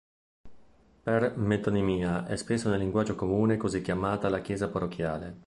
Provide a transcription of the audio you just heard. Per metonimia è spesso nel linguaggio comune così chiamata la chiesa parrocchiale.